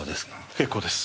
結構です。